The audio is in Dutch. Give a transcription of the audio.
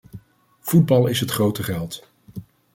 Voetbal is het grote geld.